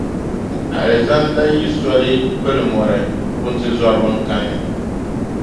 Alizanda yi soli bili mɔri, wuntizɔriba n-kani.